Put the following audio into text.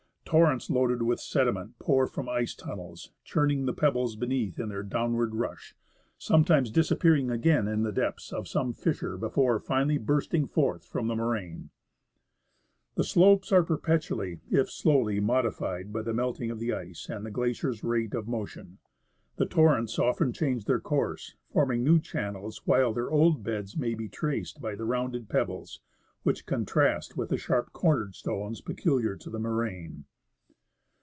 Torrents loaded with sediment pour from ice tunnels, churning the pebbles beneath in their downward rush, sometimes disappearing again in the depths of some fissure before finally bursting forth from the moraine. The slopes being perpetually, if slowly, modified by the melting of the ice and the glacier's rate of motion, the torrents often change their course, forming new channels, while their old beds may be traced by the rounded pebbles, which contrast with the sharp cornered stones peculiar to the moraine.